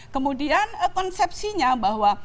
kemudian konsepsinya bahwa